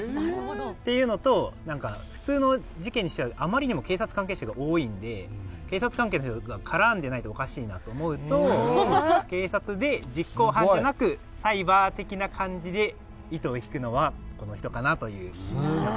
っていうのと、なんか、普通の事件にしては、あまりにも警察関係者が多いんで、警察関係の人が絡んでないとおかしいなと思うと、警察で実行犯じゃなく、サイバー的な感じで糸を引くのはこの人かなという。